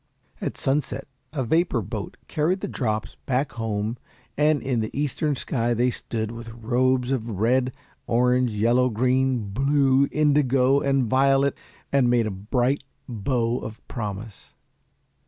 At sunset a vapor boat carried the drops back home and in the eastern sky they stood with robes of red, orange, yellow, green, blue, indigo, and violet, and made a bright bow of promise.